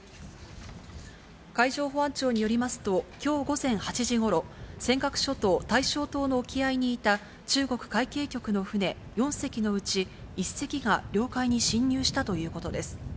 海上保安庁によりますと、きょう午前８時ごろ、尖閣諸島・大正島の沖合にいた中国海警局の船４隻のうち１隻が領海に侵入したということです。